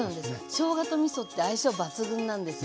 しょうがとみそって相性抜群なんですね。